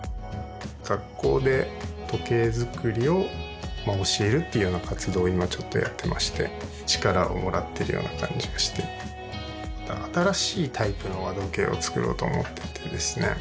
学校で時計づくりを教えるっていうような活動を今ちょっとやってまして力をもらってるような感じがして新しいタイプの和時計をつくろうと思っててですね